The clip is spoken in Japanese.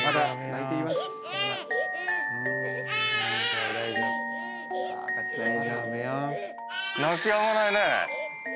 泣きやまないね。